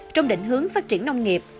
trong định hướng phát triển nông nghiệp